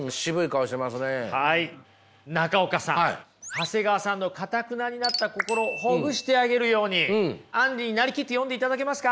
長谷川さんのかたくなになった心をほぐしてあげるようにアンリに成りきって読んでいただけますか？